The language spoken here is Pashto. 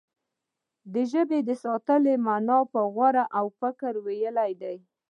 د ژبې د ساتنې معنا په غور او فکر ويل دي.